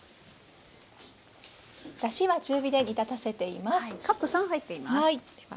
だしは中火で煮立たせています。